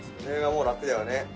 それがもう楽だよね。